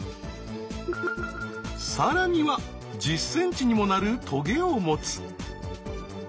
さらには１０ｃｍにもなるトゲを持つ。